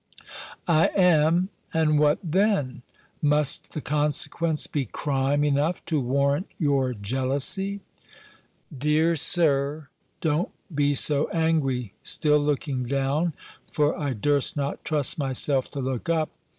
"I am, and what then? Must the consequence be crime enough to warrant your jealousy?" "Dear Sir, don't be so angry," still looking down; for I durst not trust myself to look up.